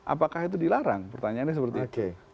apakah itu dilarang pertanyaannya seperti itu